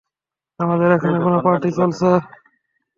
আমাদের এখানে কোন পার্টি চলছে?